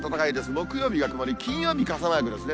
木曜日が曇り、金曜日傘マークですね。